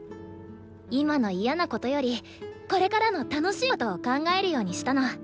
今の嫌なことよりこれからの楽しいことを考えるようにしたの。